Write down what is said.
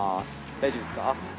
大丈夫ですか？